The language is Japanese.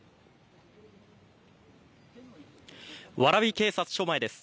蕨警察署前です。